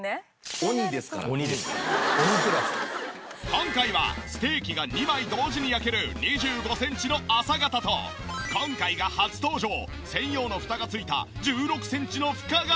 今回はステーキが２枚同時に焼ける２５センチの浅型と今回が初登場専用の蓋がついた１６センチの深型。